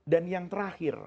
dan yang terakhir